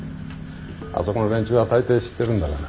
あそこの連中は大抵知ってるんだがな。